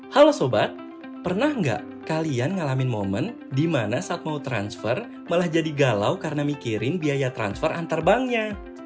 halo sobat pernah nggak kalian ngalamin momen di mana saat mau transfer malah jadi galau karena mikirin biaya transfer antar banknya